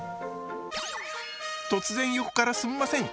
突然横からすんません。